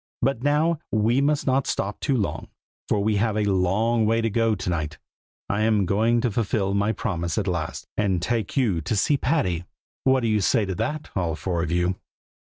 But now, we must not stop too long, for we have a long way to go to night. I am going to fulfil my promise at last, and take you to see Patty! What do you say to that, all four of you?"